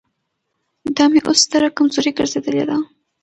دا مې اوس ستره کمزوري ګرځېدلې ده.